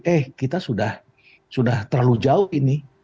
eh kita sudah terlalu jauh ini